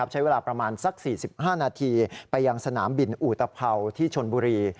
ใช้เวลาประมาณสัก๔๕นาทีไปยังสนามบินอุตภัวที่ชนบุรี